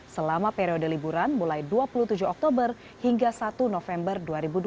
selama periode liburan mulai dua puluh tujuh oktober hingga satu november dua ribu dua puluh